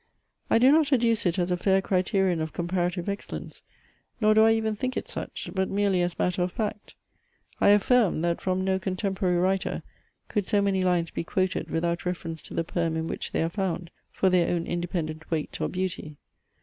I do not adduce it as a fair criterion of comparative excellence, nor do I even think it such; but merely as matter of fact. I affirm, that from no contemporary writer could so many lines be quoted, without reference to the poem in which they are found, for their own independent weight or beauty.